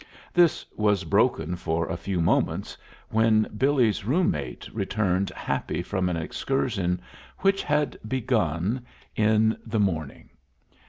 This was broken for a few moments when Billy's room mate returned happy from an excursion which had begun in the morning.